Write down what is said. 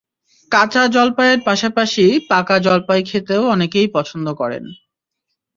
কাঁচা জলপাইয়ের পাশাপাশি পাকা জলপাই খেতেও অনেকেই পছন্দ করেন।